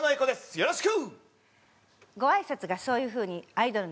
よろしく！